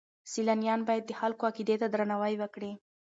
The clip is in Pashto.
سیلانیان باید د خلکو عقیدې ته درناوی وکړي.